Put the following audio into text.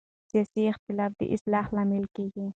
سیاسي اختلاف د اصلاح لامل کېږي